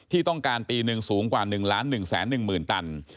ที่ต้องการปีหนึ่งสูงกว่า๑ล้าน๑แสน๑หมื่นตัน